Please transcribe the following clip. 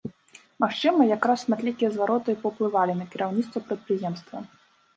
Магчыма, якраз шматлікія звароты і паўплывалі на кіраўніцтва прадпрыемства.